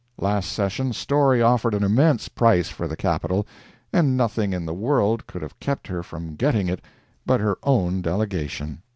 Last session Storey offered an immense price for the capital, and nothing in the world could have kept her from getting it but her own delegation.